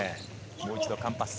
もう一度、カンパッソ。